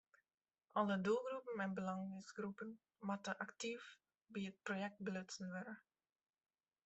Alle doelgroepen en belangegroepen moatte aktyf by it projekt belutsen wurde.